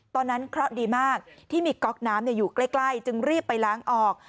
เคราะห์ดีมากที่มีก๊อกน้ำอยู่ใกล้จึงรีบไปล้างออก